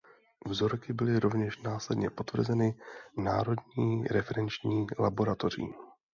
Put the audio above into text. Vzorky byly rovněž následně potvrzeny Národni referenční laboratoří.